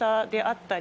たり